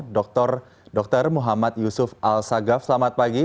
dr muhammad yusuf al saghaf selamat pagi